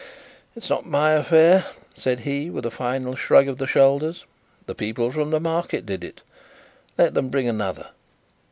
"It's not my affair," said he, with a final shrug of the shoulders. "The people from the market did it. Let them bring another."